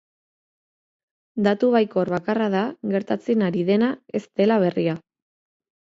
Datu baikor bakarra da gertatzen ari dena ez dela berria.